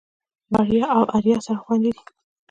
بريا او آريا سره خويندې دي.